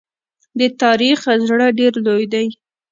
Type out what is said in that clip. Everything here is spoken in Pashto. د تاریخ زړه ډېر لوی دی.